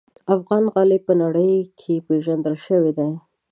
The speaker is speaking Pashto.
افغان غالۍ په نړۍ کې پېژندل شوي دي.